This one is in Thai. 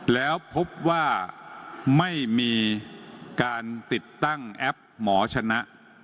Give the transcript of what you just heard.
แล้วพบว่าไม่มีการติดตั้งแอปหมอชนะ